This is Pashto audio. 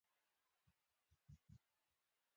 ادبیات یوازې ذهني خبرې دي چې عملي کول یې ګران دي